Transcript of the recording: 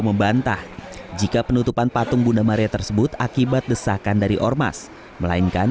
membantah jika penutupan patung bunda maria tersebut akibat desakan dari ormas melainkan